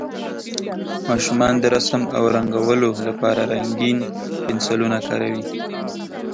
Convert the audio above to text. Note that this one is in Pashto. ماشومان د رسم او رنګولو لپاره رنګین پنسلونه کاروي.